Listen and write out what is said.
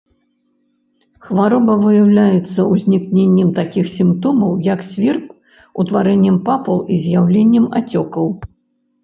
Хвароба выяўляецца узнікненнем такіх сімптомаў, як сверб, утварэннем папул і з'яўленнем ацёкаў.